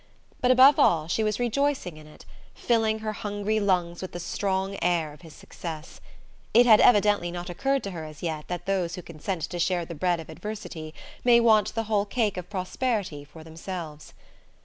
But, above all, she was rejoicing in it, filling her hungry lungs with the strong air of his success. It had evidently not occurred to her as yet that those who consent to share the bread of adversity may want the whole cake of prosperity for themselves.